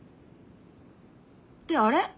ってあれ？